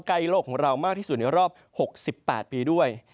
ใกล้โลกของเรามากที่สุดในรอบ๖๘ปีด้วย